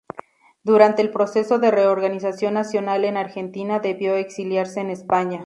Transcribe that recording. Durante el Proceso de Reorganización Nacional en Argentina debió exiliarse en España.